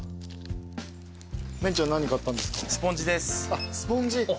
あっスポンジ。